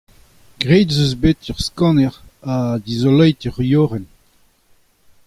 graet ez eus bet ur skanner ha dizoloet ur yoc'henn.